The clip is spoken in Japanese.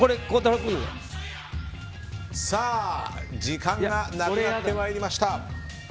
時間がなくなってまいりました。